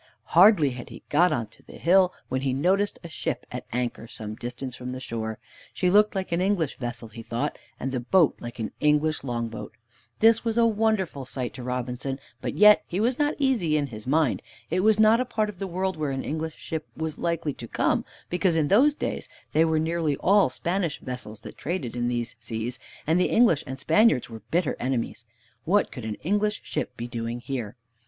Hardly had he got on to the hill when he noticed a ship at anchor some distance from the shore. She looked like an English vessel, he thought, and the boat like an English long boat. This was a wonderful sight to Robinson, but yet he was not easy in his mind. It was not a part of the world where an English ship was likely to come, because in those days they were nearly all Spanish vessels that traded in these seas, and the English and Spaniards were bitter enemies. What could an English ship be doing here?